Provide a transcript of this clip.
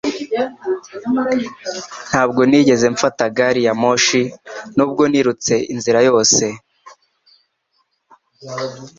Ntabwo nigeze mfata gari ya moshi nubwo nirutse inzira yose